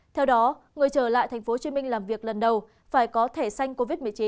theo đó người trở lại tp hcm làm việc lần đầu phải có thẻ xanh covid một mươi chín